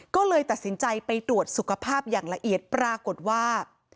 ก็เลยตัดสินใจไปตรวจสุขภาพอย่างละเอียดปรากฏว่า